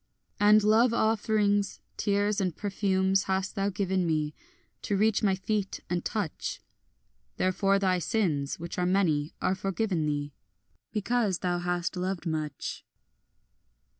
And love offerings, tears and perfumes, hast thou given me, To reach my feet and touch; Therefore thy sins, which are many, are forgiven thee, Because thou hast loved much.